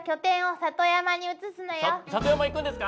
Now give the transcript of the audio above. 里山行くんですか？